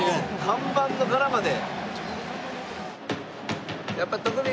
看板の柄まで？